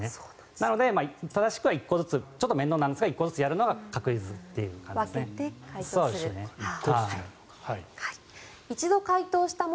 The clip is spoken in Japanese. なので、正しくは１個ずつちょっと面倒なんですが１個ずつやるのが分けて解凍すると。